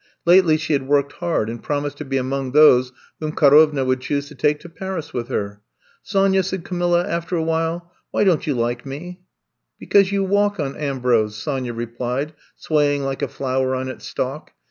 Lately she had worked hard, and promised to be among those whom Karovna would choose to take to Paris with her. Sonya," said Camilla, after a while, why don't you like mef " '^Because you walk on Ambrose, Sonya replied, swaying like a flower on its stalk.